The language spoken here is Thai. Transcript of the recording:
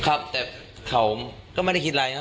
ครับแต่เขาก็ไม่ได้คิดอะไรครับ